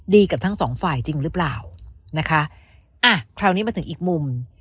กับทั้งสองฝ่ายจริงหรือเปล่านะคะอ่ะคราวนี้มาถึงอีกมุม